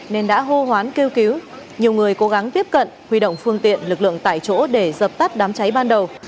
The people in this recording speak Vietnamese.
nên đã hô hoán kêu cứu nhiều người cố gắng tiếp cận huy động phương tiện lực lượng tại chỗ để dập tắt đám cháy ban đầu